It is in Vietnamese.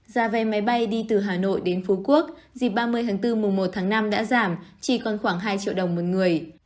giá vé máy bay đi từ hà nội đến phú quốc dịp ba mươi tháng bốn mùa một tháng năm đã giảm chỉ còn khoảng hai triệu đồng một người